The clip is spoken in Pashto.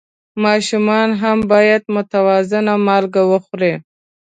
ماشومان هم باید متوازن مالګه وخوري.